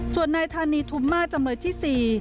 ส่วนนายธานีทุมมาจำเลยที่๔